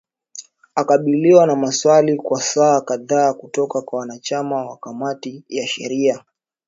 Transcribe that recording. Alikabiliwa na maswali kwa saa kadhaa kutoka kwa wanachama wa kamati ya sheria.